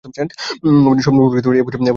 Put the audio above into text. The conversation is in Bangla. অভিনেত্রী শবনম বুবলীকেও এ বছর মানুষ খুঁজেছে বেশি।